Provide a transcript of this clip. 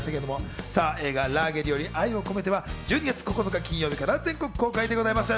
映画『ラーゲリより愛を込めて』は１２月９日金曜日から全国公開でございます。